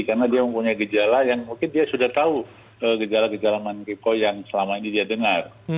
karena dia mempunyai gejala yang mungkin dia sudah tahu gejala gejala mankipo yang selama ini dia dengar